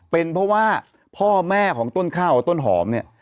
เป็นเพราะว่าพ่อแม่ของต้นข้าวต้นหอมเนี่ย